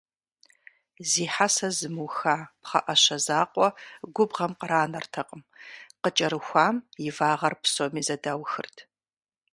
Зи хьэсэ зымыуха пхъэӀэщэ закъуэ губгъуэм къранэртэкъым, къыкӀэрыхуам и вагъэр псоми зэдаухырт.